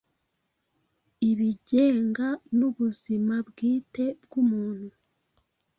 Ibigenga n'ubuzima bwite bw'umuntu